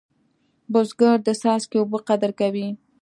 بزګر د څاڅکي اوبه قدر کوي